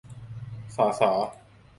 ศอ ษอ